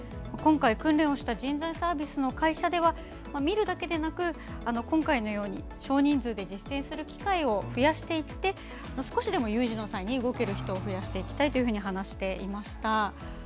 今回訓練をした人材サービスの会社では見るだけでなく、今回のように少人数で実践する機会を増やしていって少しでも有事の際に動ける人を増やしていきたいと話していました。